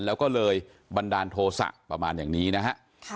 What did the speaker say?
เราก็เลยบันดาลโทษระมารอยังนี้นะฮะ